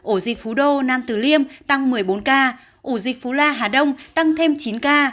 ổ dịch phú đô nam tử liêm tăng một mươi bốn ca ổ dịch phú la hà đông tăng thêm chín ca